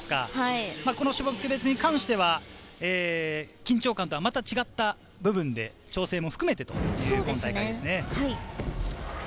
この種目別に関しては、緊張感とはまた違った部分で調整も含めてという大会ですね。